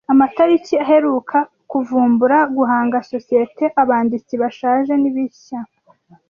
Amatariki aheruka, kuvumbura, guhanga, societe, abanditsi bashaje nibishya,